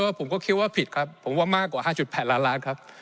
ผมก็คิดว่าผิดครับผมว่ามากกว่า๕๘ล้านล้านครับ